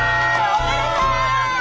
おめでとう！